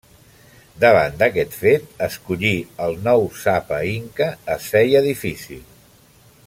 Davant d'aquest fet, escollir el nou Sapa Inca es feia difícil.